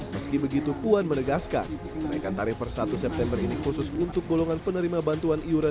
meski begitu puan menegaskan kenaikan tarif per satu september ini khusus untuk golongan penerima bantuan iuran